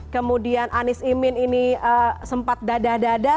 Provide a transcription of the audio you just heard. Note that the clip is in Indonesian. kemudian anies imin ini sempat dadah dadah